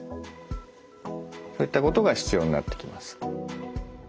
こういったことが必要になってきます。